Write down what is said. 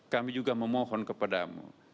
kami juga memohon kepada mu